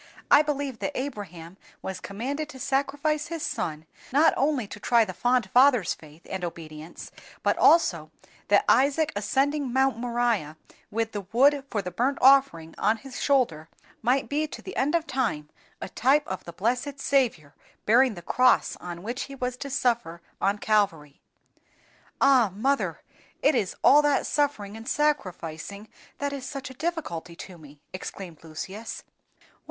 I believe that Abraham was commanded to sacrifice his son not only to try the fond father's faith and obedience, but also that Isaac ascending Mount Moriah with the wood for the burnt offering on his shoulder, might be to the end of time a type of the blessed Saviour bearing the cross on which He was to suffer on Calvary." "Ah! mother, it is all that suffering and sacrificing that is such a difficulty to me!" exclaimed Lucius.